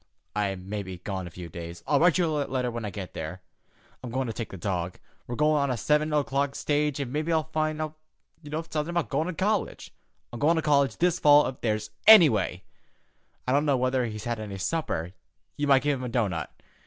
I may be gone a few days. I'll write you a letter when I get there. I'm goin' to take the dog. We're goin' on the seven o'clock stage an' mebbe I'll find out somethin' about goin' to college. I'm goin' to college this fall if there's any way. I don't know whether he's had any supper. You might give him a doughnut.